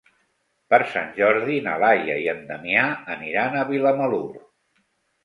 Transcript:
Per Sant Jordi na Laia i en Damià aniran a Vilamalur.